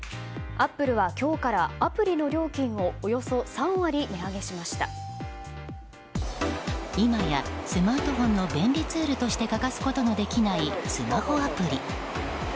アップルは今日からアプリの料金を今やスマートフォンの便利ツールとして欠かすことのできないスマホアプリ。